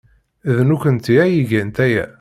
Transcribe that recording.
D nekkenti ay igan aya.